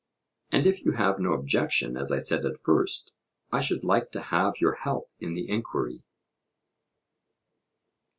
And if you have no objection, as I said at first, I should like to have your help in the enquiry.